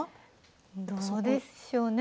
どうでしょうね。